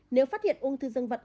nếu phát hiện ung thư dương vật